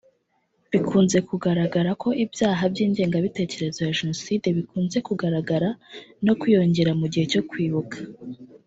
Bikunze kugararagara ko ibyaha by’ingengabitekerezo ya jenoside bikunze kugaragara no kwiyongera mu gihe cyo kwibuka